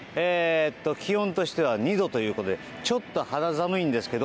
気温としては２度ということでちょっと肌寒いんですけど。